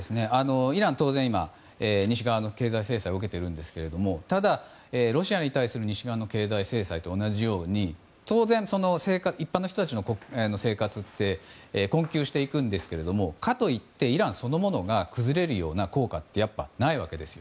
イランは当然、今西側の経済制裁を受けているんですけどただ、ロシアに対する西側の経済制裁と同じように当然、一般の人たちの生活って困窮していくんですけどかといってイランそのものが崩れるような効果はやっぱりないわけです。